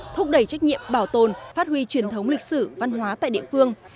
thúc đẩy trách nhiệm bảo tồn phát huy truyền thống lịch sử văn hóa tại địa phương